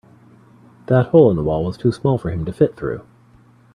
That hole in the wall was too small for him to fit through.